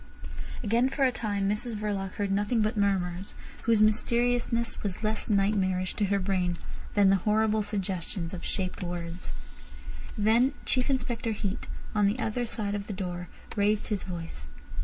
Again for a time Mrs Verloc heard nothing but murmurs, whose mysteriousness was less nightmarish to her brain than the horrible suggestions of shaped words. Then Chief Inspector Heat, on the other side of the door, raised his voice.